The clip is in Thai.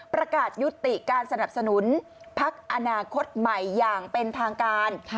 ประกาศยุติการสนับสนุนพักอนาคตใหม่อย่างเป็นทางการ